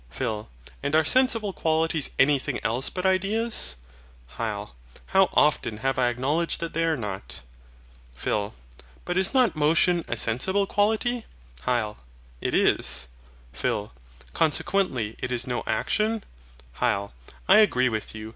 PHIL. And are sensible qualities anything else but ideas? HYL. How often have I acknowledged that they are not. PHIL. But is not MOTION a sensible quality? HYL. It is. PHIL. Consequently it is no action? HYL. I agree with you.